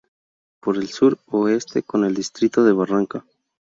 Por el Sur- Oeste, con el Distrito de Barranca.